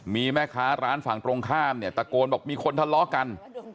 มีแม่ค้าร้านฝั่งตรงข้ามเนี่ยตะโกนบอกมีคนทะเลาะกัน